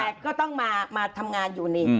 แบบก็ต้องมาทำงานอยู่ใน